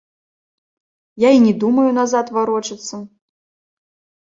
Я і не думаю назад варочацца.